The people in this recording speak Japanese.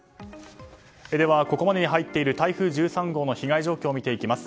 ここまでに入っている台風１３号の被害状況を見ていきます。